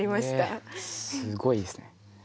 すごいですね。